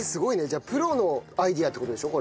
じゃあプロのアイデアって事でしょ？